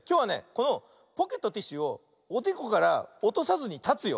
このポケットティッシュをおでこからおとさずにたつよ。